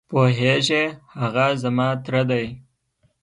پوهېږې؟ هغه زما تره دی.